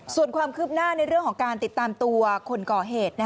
ส่วนความคืบหน้าในเรื่องของการติดตามตัวคนก่อเหตุ